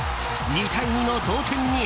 ２対２の同点に。